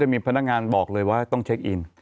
มีพนักงานบอกเลยว่าต้องเช็คอิน